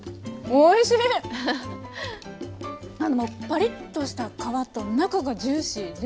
パリッとした皮と中がジューシーで。